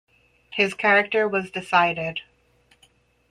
His character was decided.